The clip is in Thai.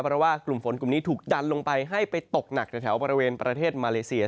เพราะว่ากลุ่มฝนกลุ่มนี้ถูกดันลงไปให้ไปตกหนักแถวบริเวณประเทศมาเลเซีย